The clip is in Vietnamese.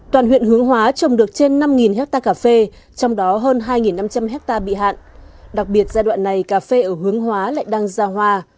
toàn huyện hướng hóa trồng được trên năm hectare cà phê trong đó hơn hai năm trăm linh hectare bị hạn đặc biệt giai đoạn này cà phê ở hướng hóa lại đang ra hoa